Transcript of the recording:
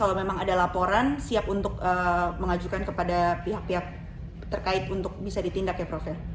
laporan siap untuk mengajukan kepada pihak pihak terkait untuk bisa ditindak ya prof ya